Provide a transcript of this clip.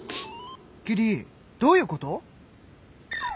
キリどういうこと！？